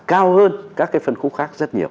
cao hơn các cái phân khúc khác rất nhiều